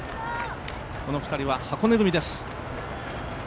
この２人は箱根組です。